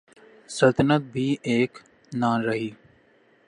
سلطنت بھی ایک نہ رہی۔